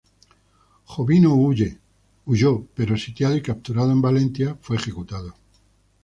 Jovino huyó pero, sitiado y capturado en Valentia, fue ejecutado.